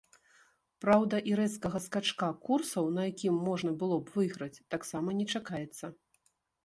Праўда, і рэзкага скачка курсаў, на якім можна было б выйграць, таксама не чакаецца.